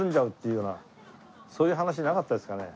そういう話なかったですかね？